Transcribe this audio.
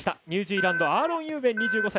ニュージーランドアーロン・ユーウェン。